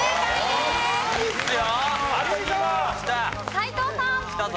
斎藤さん。